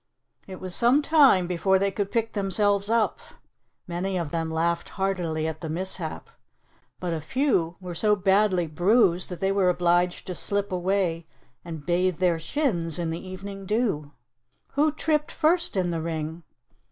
It was some time before they could pick themselves up. Many of them laughed heartily at the mishap, but a few were so badly bruised that they were obliged to slip away and bathe their shins in the evening dew. "Who tripped first in the ring?"